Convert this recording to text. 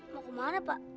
mau kemana pak